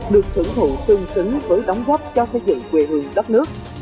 được thưởng thụ tương xứng với đóng góp cho xây dựng quê hương đất nước